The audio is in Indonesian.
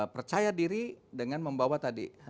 percaya diri dengan membawa tadi